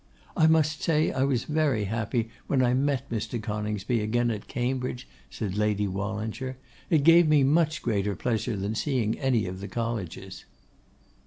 'I must say, I was very happy when I met Mr. Coningsby again at Cambridge,' said Lady Wallinger. 'It gave me much greater pleasure than seeing any of the colleges.